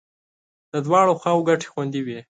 د دواړو خواو ګټې خوندي وې.